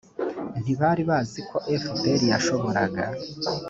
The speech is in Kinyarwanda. ntibari bazi ko fpr yashoboraga